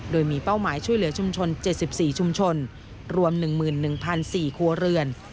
โดยมีเป้าหมายช่วยเหลือชุมชน๗๔ชุมชนรวม๑๑๔ครัวเรือน